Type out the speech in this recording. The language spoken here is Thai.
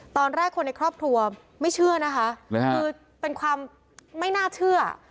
ตอนแรกคนในครอบครัวไม่เชื่อนะคะคือเป็นความไม่น่าเชื่อ